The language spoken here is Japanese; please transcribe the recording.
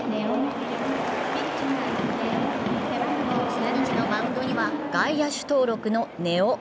中日のマウンドには外野手登録の根尾。